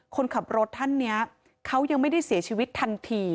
คนขับรถท่านนี้เขายังไม่ได้เสียชีวิตทันที